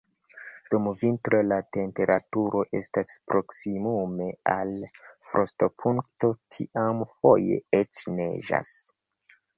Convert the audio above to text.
Dum vintro la temperaturo estas proksimume al frostopunkto, tiam foje eĉ neĝas.